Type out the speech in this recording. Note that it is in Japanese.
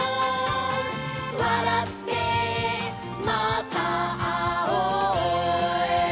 「わらってまたあおう」